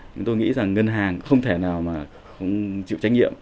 nhưng tôi nghĩ rằng ngân hàng không thể nào mà cũng chịu trách nhiệm